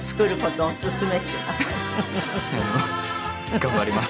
頑張ります。